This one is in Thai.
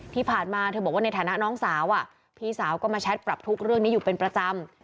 ที่ผ่านมาเธอบอกว่าในฐานะน้องสาวพี่สาวก็มาแชทปรับทุกข์เรื่องนี้อยู่เป็นประจำ